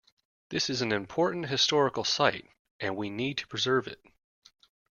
This is an important historical site, and we need to preserve it.